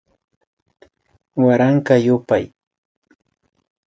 Waranka yupay